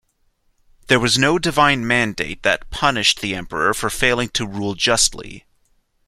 There was no divine mandate that punished the emperor for failing to rule justly.